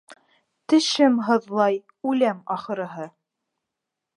Тешем һыҙлай, үләм, ахырыһы...